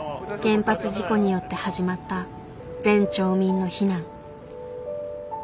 原発事故によって始まった全町民の避難。